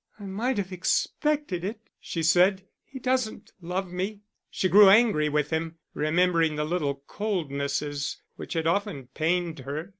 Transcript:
"I might have expected it," she said; "he doesn't love me." She grew angry with him, remembering the little coldnesses which had often pained her.